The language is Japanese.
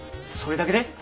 それだけで？